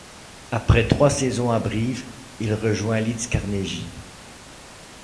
Après trois saisons à Brive, il rejoint Leeds Carnegie.